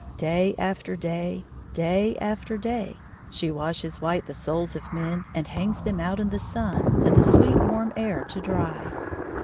Day after day, day after day, she washes white the souls of men, and hangs them out in the sun and the sweet warm air to dry.